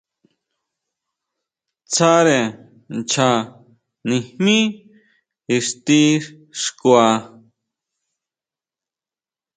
Tsáre ncha nijmí ixti xkua.